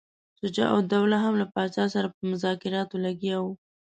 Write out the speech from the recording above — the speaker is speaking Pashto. شجاع الدوله هم له پاچا سره په مذاکراتو لګیا وو.